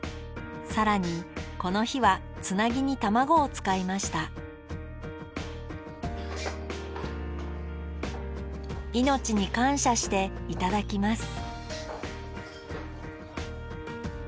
更にこの日はつなぎに卵を使いました命に感謝して頂きます